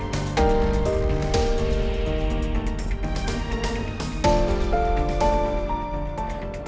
tidak ada apa apa